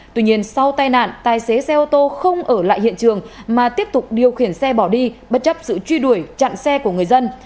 tuy nhiên sau tai nạn tài xế xe ô tô không ở lại hiện trường mà tiếp tục điều khiển xe bỏ đi bất chấp sự truy đuổi chặn xe của người dân